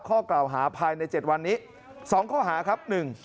ข้อกล่าวหาภายใน๗วันนี้๒ข้อหาครับ